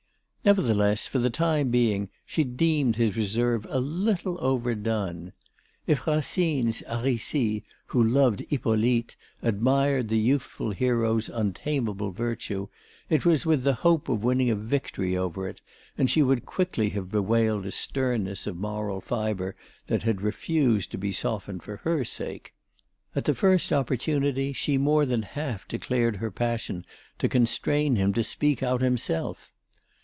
Nevertheless, for the time being, she deemed his reserve a little overdone. If Racine's "Aricie," who loved "Hippolyte," admired the youthful hero's untameable virtue, it was with the hope of winning a victory over it, and she would quickly have bewailed a sternness of moral fibre that had refused to be softened for her sake. At the first opportunity she more than half declared her passion to constrain him to speak out himself.